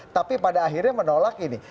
tapi pada akhirnya menolak ini